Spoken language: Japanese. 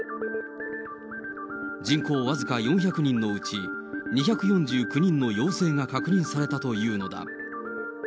人口わずか４００人のうち、２４９人の陽性が確認されたというのだ。